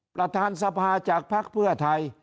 ประธานสภาจากภักดิ์เพื่อไทย